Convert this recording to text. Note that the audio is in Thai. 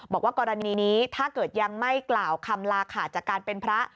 บอกว่ากรณีนี้ถ้าเกิดยังไม่กล่าวคำลาขาดจากการเป็นพระ